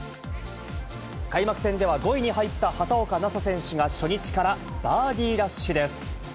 開幕戦では５位に入った畑岡奈紗選手が、初日からバーディーラッシュです。